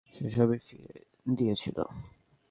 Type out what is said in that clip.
সে সবই ফিরিয়ে দিয়েছিল।